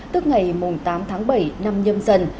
tức ngày tám tháng bảy năm nhâm dần